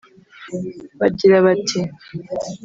bagira bati